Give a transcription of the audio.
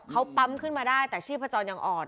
เขาปั๊มขึ้นมาได้แต่ชีพจรยังอ่อน